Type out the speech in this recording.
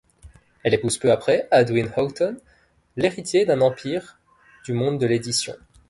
Elle épouse peu après Hadwin Houghton, l'héritier d’un empire du monde de l’édition.